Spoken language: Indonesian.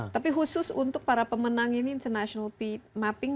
tapi khusus untuk para pemenang ini international mapping